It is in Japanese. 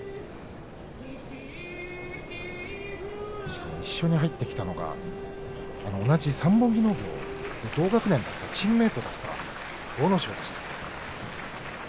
しかも一緒に入ってきたのが同じ同学年だったチームメートだった阿武咲でした。